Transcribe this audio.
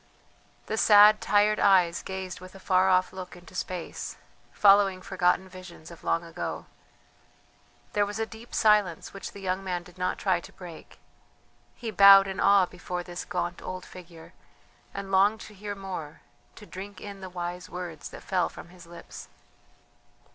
The sad, tired eyes gazed with a far off look into space, following forgotten visions of long ago. There was a deep silence which the young man did not try to break. He bowed in awe before this gaunt old figure, and longed to hear more, to drink in the wise words that fell from his lips.